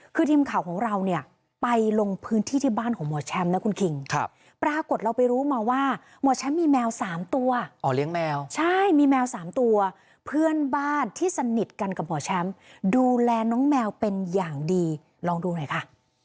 คือทีมข่าวของเราเนี่ยไปลงพื้นที่ที่บ้านของหมอแชมป์นะคุณคิงปรากฏเราไปรู้มาว่าหมอแชมป์มีแมว๓ตัวอ๋อเลี้ยงแมวใช่มีแมว๓ตัวเพื่อนบ้านที่สนิทกันกับหมอแชมป์ดูแลน้องแมวเป็นอย่างดีลองดูหน่อยค่ะ